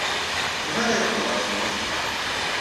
Melmi ara yeqqel ɣer tmurt?